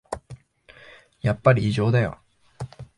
やっぱり異常だよ